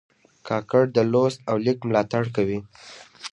کاکړ د لوست او لیک ملاتړ کوي.